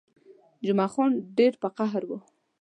جمعه خان ډېر په قهر وو.